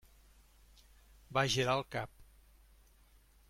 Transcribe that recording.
Va girar el cap.